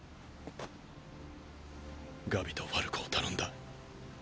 ガビとファルコを頼んだ。